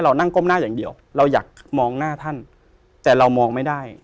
เรานั่งก้มหน้าอย่างเดียวเราอยากมองหน้าท่านแต่เรามองไม่ได้